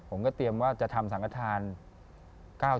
ผมก็เตรียมว่าจะทำสังฆฐาน